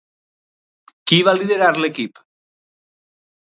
Qui va liderar l'equip?